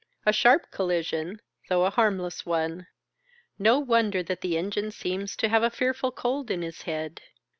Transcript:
A sharp collision, though a harmless one ! No wonder that the engine seems to have a fearful cold in his head.